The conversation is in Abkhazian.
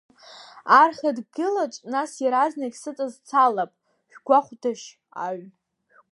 Арха дгьылаҿ, нас, иаразнак сыҵазцалап шәгәахәдашь аҩ?